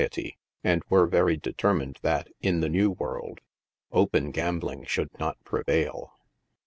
ety, and were very determined that, in the New World, open gam bling should not prevail.